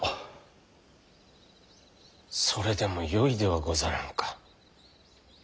それでもよいではござらんか。